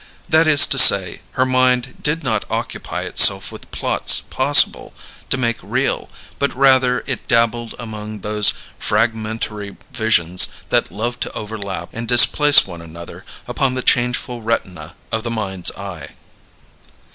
That is to say, her mind did not occupy itself with plots possible to make real; but rather it dabbled among those fragmentary visions that love to overlap and displace one another upon the changeful retina of the mind's eye.